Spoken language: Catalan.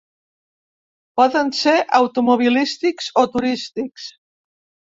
Poden ser automobilístics o turístics.